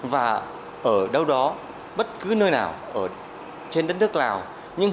và ở đâu đó bất cứ nơi nào trên đất nước lào những hình ảnh chủ tịch hồ chí minh đều thật gần gũi thân thương